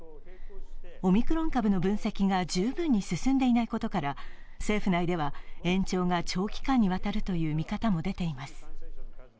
オミクロン株の分析が十分に進んでいないことから、政府内では、延長が長期間にわたるという見方も出ています。